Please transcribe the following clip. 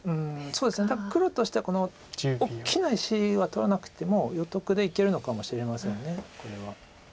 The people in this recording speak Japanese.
そうですねだから黒としてはこの大きな石は取らなくても余得でいけるのかもしれませんこれは。